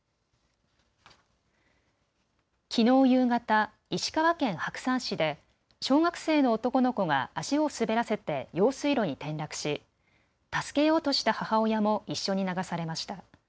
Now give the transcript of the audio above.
きのう夕方、石川県白山市で小学生の男の子が足を滑らせて用水路に転落し助けようとした母親も一緒に流されました。